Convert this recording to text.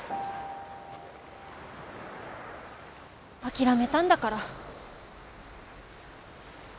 諦めたんだから。